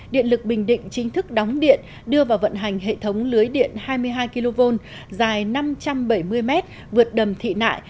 điện lực bình định chính thức đóng điện đưa vào vận hành hệ thống lưới điện hai mươi hai kv dài năm trăm bảy mươi mét vượt đầm thị nại